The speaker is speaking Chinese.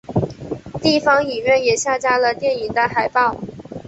地方影院也下架了电影的海报。